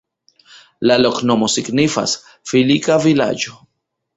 La loknomo signifas: filika-vilaĝo.